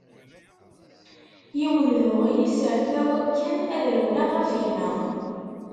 Yiwen diɣ ur yi-serfaw akken ad rewleɣ ɣef gma.